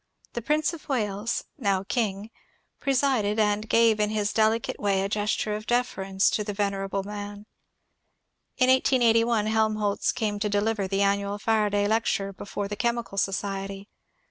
The Prince of Wales (now king) presided and gave in his delicate way a gesture of deference to the vener able man. In 1881 Helmholtz came to deliver the annual Faraday lecture before the Chemical Society.